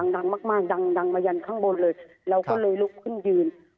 ดังมากมากดังมายันข้างบนเลยเราก็เลยลุกขึ้นยืน